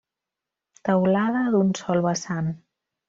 Teulada d'un sol vessant.